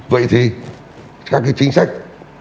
vậy thì các cái chính sách